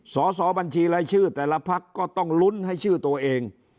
สอบบัญชีรายชื่อแต่ละพักก็ต้องลุ้นให้ชื่อตัวเอง